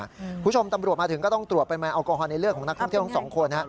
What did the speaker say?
คุณผู้ชมตำรวจมาถึงก็ตรวจเป็นแมวแอลกอฮอล์ในเลือกของนักท่องเที่ยวทั้ง๒คน